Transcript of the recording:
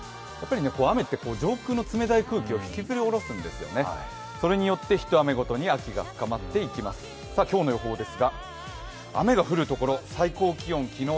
雨って上空の冷たい空気を引きずり降ろしますので、それによって秋が深まっていきます、今日の予報です。